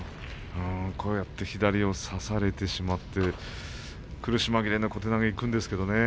左を差されてしまって苦し紛れの小手投げにいくんですけれどね